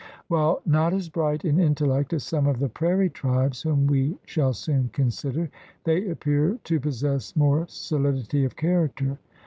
While not as bright in intellect as some of the prairie tribes whom we shall soon consider, they appear to possess more solidity of character.